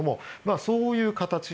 そういう形。